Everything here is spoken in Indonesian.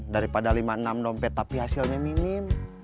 daripada lima puluh enam dompet tapi hasilnya minim